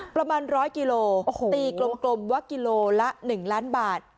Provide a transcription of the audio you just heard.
ประมาณ๑๐๐กิโลตีกลมว่ากิโลละ๑ล้านบาท